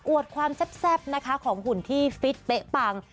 วดความแซ่บนะคะของหุ่นที่ฟิตเป๊ะปัง